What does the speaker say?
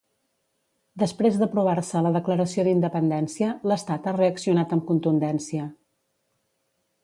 Després d'aprovar-se la declaració d'independència, l'Estat ha reaccionat amb contundència.